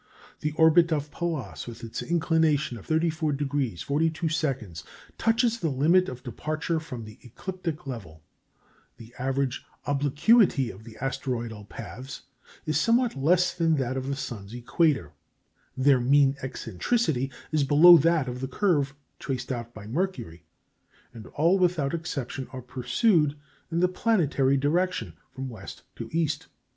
The orbit of Pallas, with its inclination of 34° 42', touches the limit of departure from the ecliptic level; the average obliquity of the asteroidal paths is somewhat less than that of the sun's equator; their mean eccentricity is below that of the curve traced out by Mercury, and all without exception are pursued in the planetary direction from west to east.